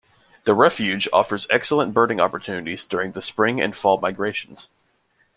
The refuge offers excellent birding opportunities during the spring and fall migrations.